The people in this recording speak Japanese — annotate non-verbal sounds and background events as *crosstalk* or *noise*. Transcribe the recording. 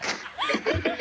ハハハ *laughs*